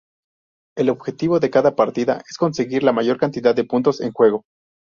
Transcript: El objetivo de cada partida es conseguir la mayor cantidad de puntos en juego.